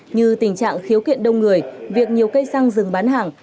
như tình trạng khiếu kiện đông người việc nhiều cây xăng dừng bán hàng